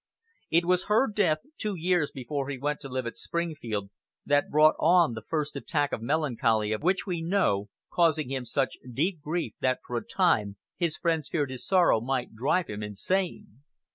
It was her death, two years before he went to live at Springfield, that brought on the first attack of melancholy of which we know, causing him such deep grief that for a time his friends feared his sorrow might drive him insane.